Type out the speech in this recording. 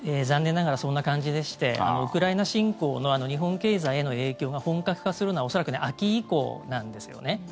残念ながらそんな感じでしてウクライナ侵攻の日本経済への影響が本格化するのは恐らく秋以降なんですよね。